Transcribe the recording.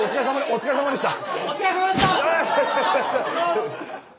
お疲れさまでした！